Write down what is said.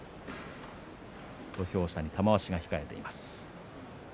土俵下に玉鷲が控えています。